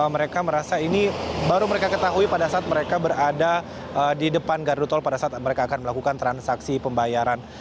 mereka merasa ini baru mereka ketahui pada saat mereka berada di depan gardu tol pada saat mereka akan melakukan transaksi pembayaran